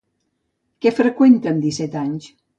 Què freqüenta amb disset anys?